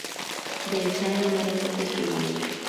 De ese año no dejó testimonio.